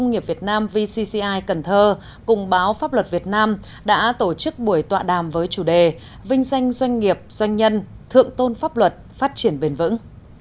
doanh nghiệp việt nam vcci cần thơ cùng báo pháp luật việt nam đã tổ chức buổi tọa đàm với chủ đề vinh danh doanh nghiệp doanh nhân thượng tôn pháp luật phát triển bền vững